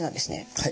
はい。